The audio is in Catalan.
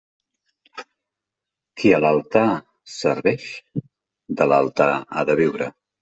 Qui a l'altar serveix de l'altar ha de viure.